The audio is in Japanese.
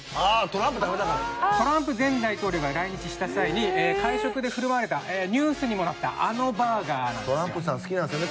トランプ前大統領が来日した際に会食で振る舞われたニュースにもなったあのバーガーなんですよ。